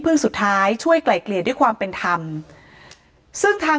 สุดท้ายช่วยไกล่เกลี่ยด้วยความเป็นธรรมซึ่งทาง